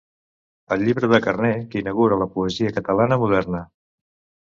«El llibre de Carner que inaugura la poesia catalana moderna».